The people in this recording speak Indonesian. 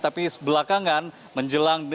tapi belakangan menjelang